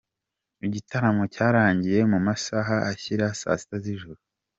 Igitaramo cyarangiye mu masaha ashyira saa sita z’ijoro.